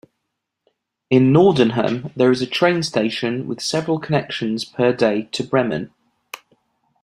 In Nordenham there is a train station with several connections per day to Bremen.